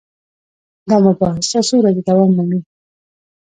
دا مباحثه څو ورځې دوام مومي.